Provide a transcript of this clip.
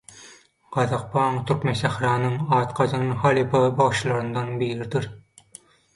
Gazak paň Türkmensähranyň at gazanan halypa bagşylaryndan biridir